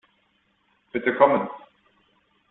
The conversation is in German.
Bitte kommen!